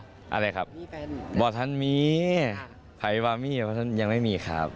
อะไรครับบอกท่านมีใครบ่ามียังไม่มีครับ